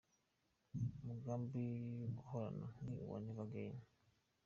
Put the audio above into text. Umugambi duhorana ni uwa Never Again.